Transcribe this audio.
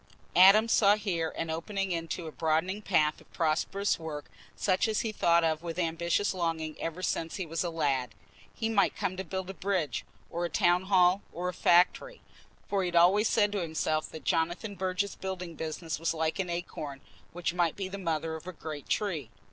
Adam saw here an opening into a broadening path of prosperous work such as he had thought of with ambitious longing ever since he was a lad: he might come to build a bridge, or a town hall, or a factory, for he had always said to himself that Jonathan Burge's building business was like an acorn, which might be the mother of a great tree.